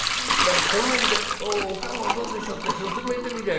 この辺で『お駕籠どうでしょう？』って勧めてみりゃ」。